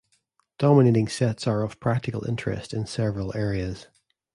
Dominating sets are of practical interest in several areas.